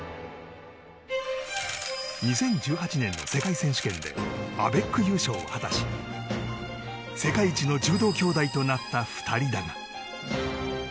２０１８年の世界選手権でアベック優勝を果たし世界一の柔道兄妹となった２人だが。